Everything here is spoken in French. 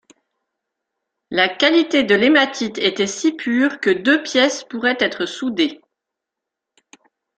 La qualité de l'hématite était si pure que deux pièces pourrait être soudées.